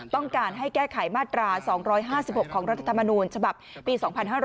ต้องการให้แก้ไขมาตรา๒๕๖ของรัฐธรรมนูญฉบับปี๒๕๕๙